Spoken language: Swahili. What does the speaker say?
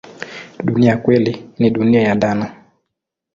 Dunia ya kweli ni dunia ya dhana.